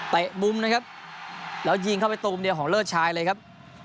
มุมนะครับแล้วยิงเข้าไปตูมเดียวของเลิศชายเลยครับ